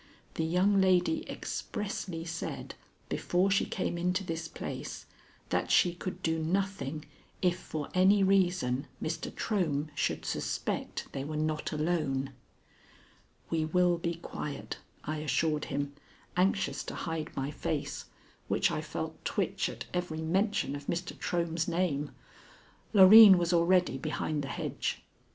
The young lady expressly said, before she came into this place, that she could do nothing if for any reason Mr. Trohm should suspect they were not alone." "We will be quiet," I assured him, anxious to hide my face, which I felt twitch at every mention of Mr. Trohm's name. Loreen was already behind the hedge.